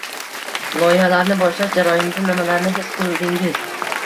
Loyihalarni boshlash jarayonida nimalarni his qildingiz?